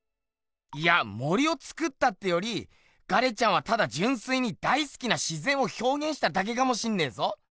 いや森をつくったってよりガレちゃんはただじゅんすいに大すきな自ぜんをひょうげんしただけかもしんねえぞ。